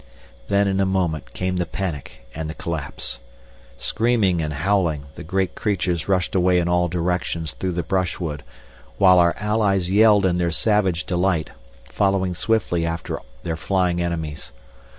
Then in a moment came the panic and the collapse. Screaming and howling, the great creatures rushed away in all directions through the brushwood, while our allies yelled in their savage delight, following swiftly after their flying enemies.